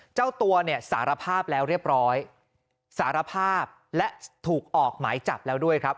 เจ้าตัวเนี่ยสารภาพแล้วเรียบร้อยสารภาพและถูกออกหมายจับแล้วด้วยครับ